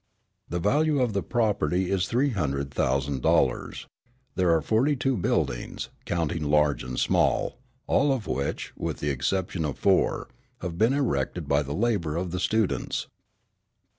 The value of the property is $300,000. There are forty two buildings, counting large and small, all of which, with the exception of four, have been erected by the labour of the students.